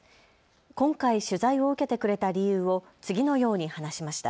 今回、取材を受けてくれた理由を次のように話しました。